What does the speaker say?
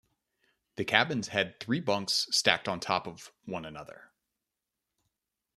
The cabins had three bunks stacked on top of one another.